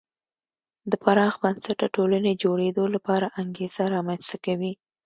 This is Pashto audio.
د پراخ بنسټه ټولنې جوړېدو لپاره انګېزه رامنځته کوي.